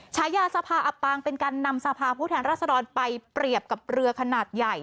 ฉายาสภาอับปางเป็นการนำสภาพผู้แทนรัศดรไปเปรียบกับเรือขนาดใหญ่